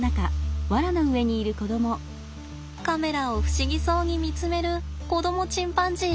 カメラを不思議そうに見つめる子供チンパンジー。